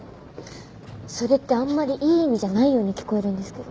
それってあんまりいい意味じゃないように聞こえるんですけど。